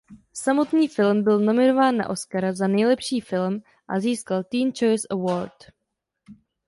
Samotný film byl nominován na Oscara za nejlepší film a získal Teen Choice Award.